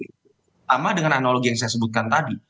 sama dengan analogi yang saya sebutkan tadi